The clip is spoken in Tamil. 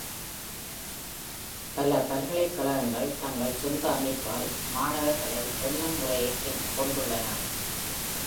பல பல்கலைக் கழகங்கள் தங்கள் சொந்த அமைப்பல் மாணவர்கலை எண்ணும் முறையைக் கொண்டுள்ளன.